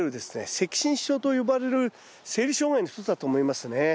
赤芯症と呼ばれる生理障害の一つだと思いますね。